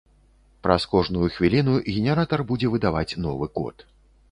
Праз кожную хвіліну генератар будзе выдаваць новы код.